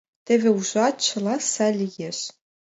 Теве ужат: чыла сай лиеш.